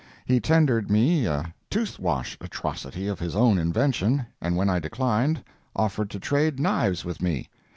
He tendered me a tooth wash atrocity of his own invention, and when I declined, offered to trade knives with me.